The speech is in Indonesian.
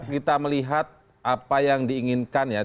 kita melihat apa yang diinginkan ya